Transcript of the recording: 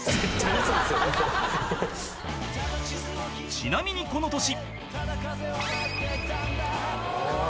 ［ちなみにこの年］